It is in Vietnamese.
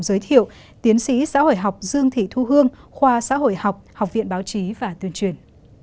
giới thiệu tiến sĩ xã hội học dương thị thu hương khoa xã hội học học viện báo chí và tuyên truyền